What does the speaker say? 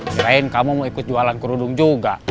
kirain kamu mau ikut jualan ke rudung juga